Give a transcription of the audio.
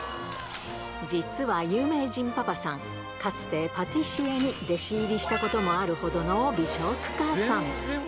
実は有名人パパさん、かつてパティシエに弟子入りしたこともあるほどの美食家さん。